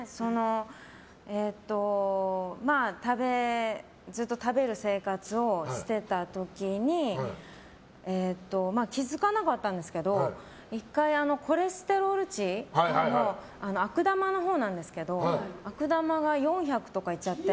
まあずっと食べる生活をしてた時に気づかなかったんですけど１回コレステロール値の悪玉のほうなんですけど悪玉が４００とかいっちゃって。